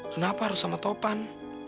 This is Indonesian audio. kenapa harus sama topan